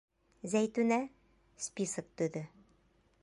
Зәйтүнә, список төҙө.